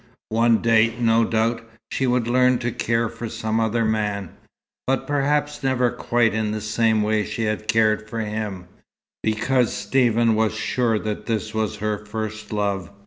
One day, no doubt, she would learn to care for some other man, but perhaps never quite in the same way she had cared for him, because Stephen was sure that this was her first love.